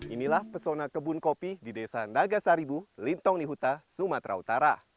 inilah pesona kebun kopi di desa nagasaribu lintong nihuta sumatera utara